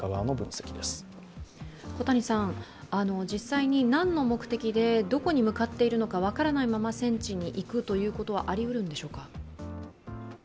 実際に何の目的でどこに向かっているのか分からないまま戦地に行くということはありうるんでしょうか？